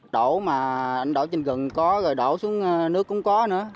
đổ mà anh đổ trên gừng có rồi đổ xuống nước cũng có nữa